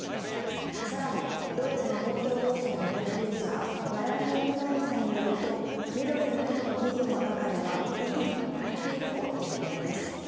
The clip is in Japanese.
更に、ドイツの公共放送のプロデューサーマライ・メントラインさんによると緑の党の議員の中では、意見が割れているということです。